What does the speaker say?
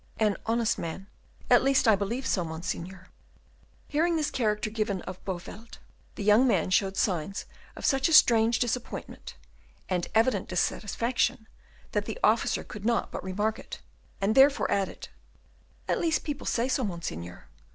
"An honest man; at least I believe so, Monseigneur." Hearing this character given of Bowelt, the young man showed signs of such a strange disappointment and evident dissatisfaction that the officer could not but remark it, and therefore added, "At least people say so, Monseigneur.